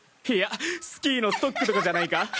いやスキーのストックとかじゃないか？